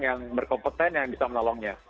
yang berkompeten yang bisa menolongnya